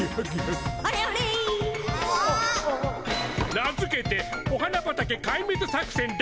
名づけてお花畑かいめつ作せんだ！